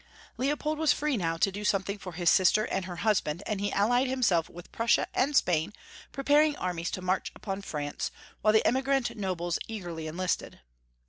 Leopold was free now to do something for his sister and her husband, and he allied himself with Prussia and Spain, preparing armies to march upon France, while the emigrant nobles eagerly enlisted.